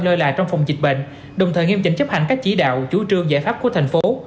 lơi lại trong phòng dịch bệnh đồng thời nghiêm trình chấp hành các chỉ đạo chủ trương giải pháp của thành phố